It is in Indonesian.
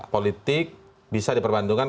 politik bisa diperbantukan